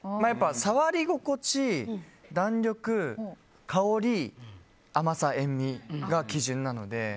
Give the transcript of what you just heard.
触り心地、弾力、香り甘さ、塩みが基準なので。